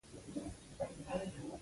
. سوی او ګيدړه مې وغږول،